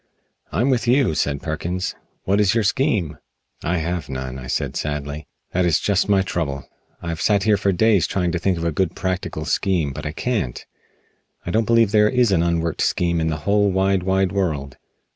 "I'm with you," said Perkins, "what is your scheme?" "I have none," I said sadly, "that is just my trouble. I have sat here for days trying to think of a good practical scheme, but I can't. I don't believe there is an unworked scheme in the whole wide, wide world."